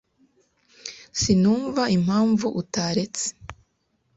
Sinumva impamvu utaretse.